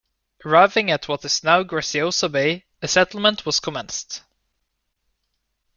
Arriving at what is now Graciosa Bay, a settlement was commenced.